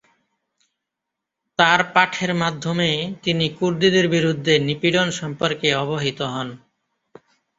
তার পাঠের মাধ্যমে, তিনি কুর্দিদের বিরুদ্ধে নিপীড়ন সম্পর্কে অবহিত হন।